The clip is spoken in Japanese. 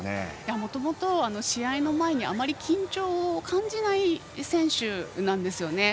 もともと試合前にあまり緊張を感じない選手なんですよね。